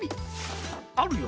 あるよ